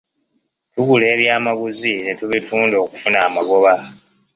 Tugula ebyamaguzi ne tubitunda okufuna amagoba.